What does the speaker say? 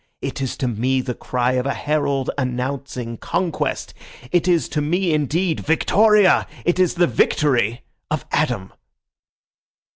It is to me the cry of a herald announcing conquest. It is to me indeed 'Victoria'; it is the victory of Adam."